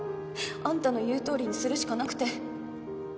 あんたの言うとおりにするしかなくて。